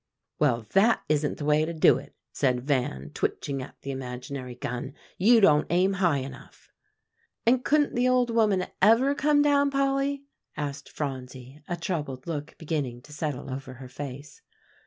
"Well, that isn't the way to do it," said Van, twitching at the imaginary gun; "you don't aim high enough." "And couldn't the old woman ever come down, Polly?" asked Phronsie, a troubled look beginning to settle over her face.